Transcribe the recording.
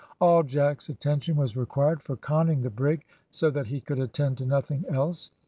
All Jack's attention was required for conning the brig, so that he could attend to nothing else.